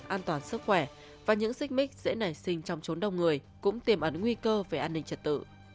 an toàn sức khỏe và những xích mích dễ nảy sinh trong chốn đông người cũng tiềm ẩn nguy cơ về an ninh trật tự